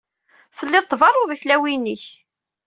Telliḍ tberruḍ i tlawin-ik.